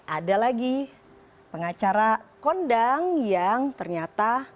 ada lagi pengacara kondang yang ternyata